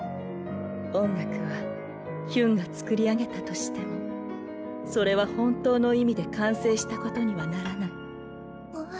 音楽はヒュンが作り上げたとしてもそれは本当の意味で完成したことにはならない。